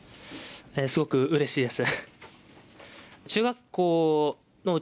すごくうれしいです。